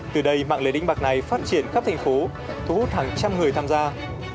từ đây mạng lề đánh bạc này phát triển khắp thành phố thu hút hàng trăm người tham gia